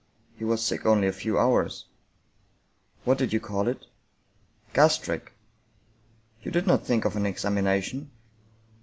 He was sick only a few hours." " What did you call it? "" Gastric." " You did not think of an examination?